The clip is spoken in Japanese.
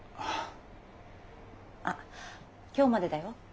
あっ今日までだよ。